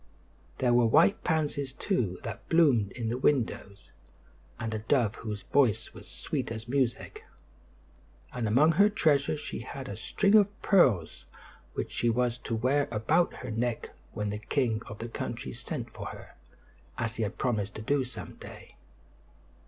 There were white pansies, too, that bloomed in the windows, and a dove whose voice was sweet as music; and among her treasures she had a string of pearls which she was to wear about her neck when the king of the country sent for her, as he had promised to do some day.